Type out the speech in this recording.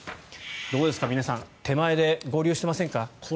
どうですか、皆さん手前で合流していませんか？